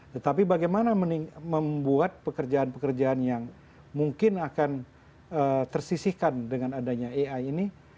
tetapi bagaimana membuat pekerjaan pekerjaan yang mungkin akan tersisihkan dengan adanya ai ini